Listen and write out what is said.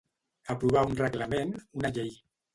Aprovar un reglament, una llei.